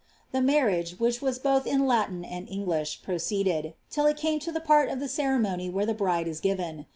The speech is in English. The marriage, which was both m Latin and IMUii pioeeeded, till I tame to the part of the ceremony where the brUie k given.